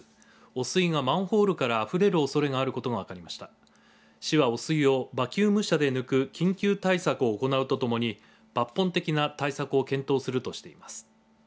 汚水がマンホールからあふれるおそれがあることが分かりました市は、汚水をバキューム車で抜く緊急対策を行うとともに抜本的な対策を検討するとしています。